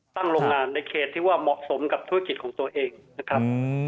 โรงงานในเขตที่ว่าเหมาะสมกับธุรกิจของตัวเองนะครับ